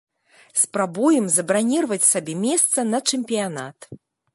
Спрабуем забраніраваць сабе месца на чэмпіянат.